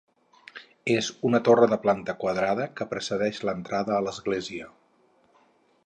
És una torre de planta quadrada que precedeix l'entrada a l'església.